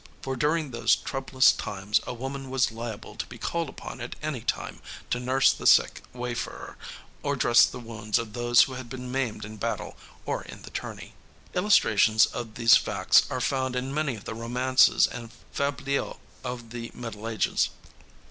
For during those troublous times a woman was liable to be called upon at any time to nurse the sick wayfarer or dress the wounds of those who had been maimed in battle or in the tourney. Illustrations of these facts are found in many of the romances and fabliaux of the Middle Ages.